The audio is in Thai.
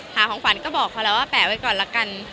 หาของฝันก็บอกเขาแล้วว่าแปะไว้ก่อนละกัน